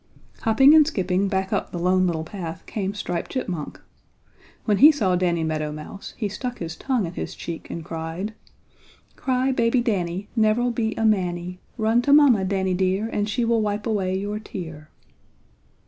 Hopping and skipping back up the Lone Little Path came Striped Chipmunk. When he saw Danny Meadow Mouse he stuck his tongue in his cheek and cried: "Cry baby Danny Never'll be a manny! Run to mamma, Danny dear, And she will wipe away your tear!"